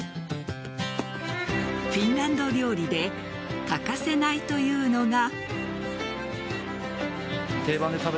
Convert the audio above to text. フィンランド料理で欠かせないというのが。